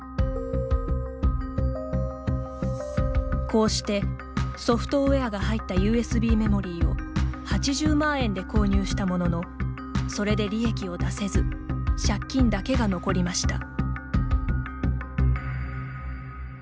こうしてソフトウエアが入ったＵＳＢメモリーを８０万円で購入したもののそれで利益を出せず借金だけが残りました。